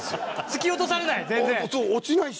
突き落とされない？